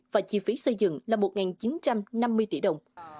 và chi phí xây dựng là một chín trăm năm mươi tỷ đồng